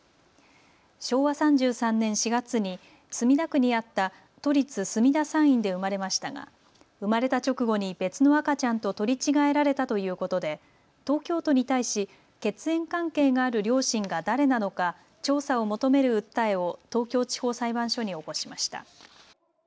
昭和３３年４月に墨田区にあった都立墨田産院で生まれましたが生まれた直後に別の赤ちゃんと取り違えられたということで東京都に対し血縁関係がある両親が誰なのか調査を求める訴えを東京地方裁判所に起こしました。